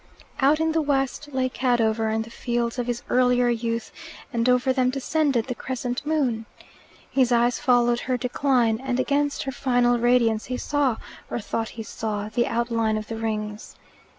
Out in the west lay Cadover and the fields of his earlier youth, and over them descended the crescent moon. His eyes followed her decline, and against her final radiance he saw, or thought he saw, the outline of the Rings.